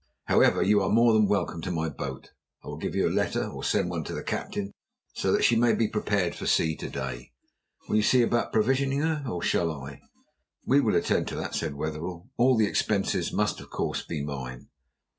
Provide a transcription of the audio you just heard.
However, you are more than welcome to my boat. I will give you a letter, or send one to the Captain, so that she may be prepared for sea to day. Will you see about provisioning her, or shall I?" "We will attend to that," said Wetherell. "All the expenses must of course be mine."